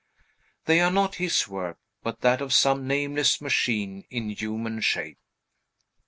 They are not his work, but that of some nameless machine in human shape.